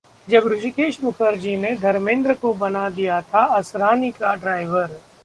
जब ऋषिकेश मुखर्जी ने धर्मेंद्र को बना दिया था असरानी का ड्राइवर